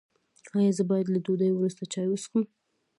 ایا زه باید له ډوډۍ وروسته چای وڅښم؟